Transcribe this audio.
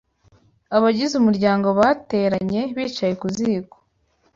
abagize umuryango bateranye, bicaye ku ziko